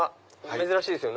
珍しいですよね